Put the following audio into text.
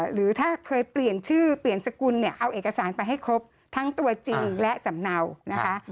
หรือถ้าเคยเปลี่ยนชื่อเปลี่ยนสกุลเนี่ยเอาเอกสารไปให้ครบทั้งตัวจริงและสำเนานะคะ